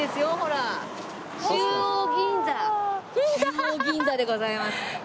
中央銀座でございます。